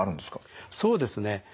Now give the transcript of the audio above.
そうですね。